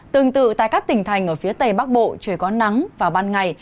tương tự tại các tỉnh thành ở phía tây bắc bộ trời có nắng vào ban ngày